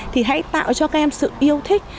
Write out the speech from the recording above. thì hãy tạo cho các em sự yêu thích